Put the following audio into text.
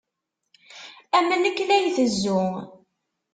Am nekk la itezzu.